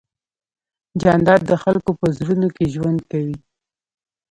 جانداد د خلکو په زړونو کې ژوند کوي.